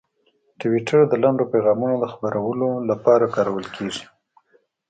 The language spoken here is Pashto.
ټویټر د لنډو پیغامونو د خپرولو لپاره کارول کېږي.